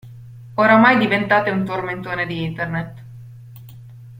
Oramai diventate un tormentone di Internet.